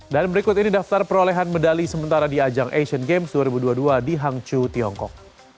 dan berikut ini daftar perolehan medali sementara di ajang asian games dua ribu dua puluh dua di hangzhou tiongkok